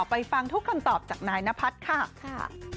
ฟังทุกคำตอบจากนายนพัฒน์ค่ะ